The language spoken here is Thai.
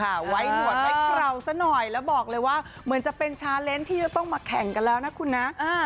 ไว้หนวดไว้เคราวซะหน่อยแล้วบอกเลยว่าเหมือนจะเป็นชาเลนส์ที่จะต้องมาแข่งกันแล้วนะคุณนะ